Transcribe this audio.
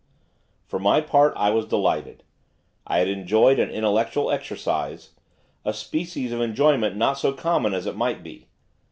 For my part, I was delighted. I had enjoyed an intellectual exercise, a species of enjoyment not so common as it might be.